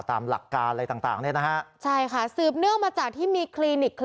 ตามหลักการอะไรต่างเนี่ยนะฮะใช่ค่ะสืบเนื่องมาจากที่มีคลินิกคือ